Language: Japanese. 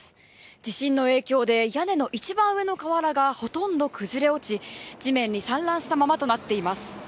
地震の影響で屋根の一番上の瓦がほとんど崩れ落ち、地面に散乱したままとなっています。